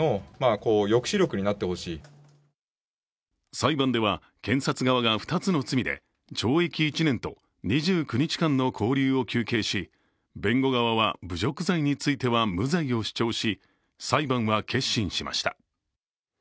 裁判では検察側が２つの罪で懲役１年と２９日間の勾留を求刑し弁護側は、侮辱罪については無罪を主張し裁判は結審しました。